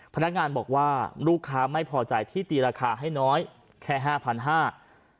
พนักงานบอกว่าลูกค้าไม่พอใจที่ตีราคาให้น้อยแค่ห้าพันห้า